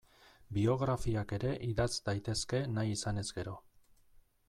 Biografiak ere idatz daitezke nahi izanez gero.